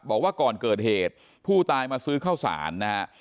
บอกว่าก่อนเกิดเหตุผู้ตายมาซื้อข้าวสารนะฮะ